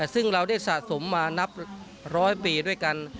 ซึ่งเราได้สะสมมานับร้อยปีด้วยกัน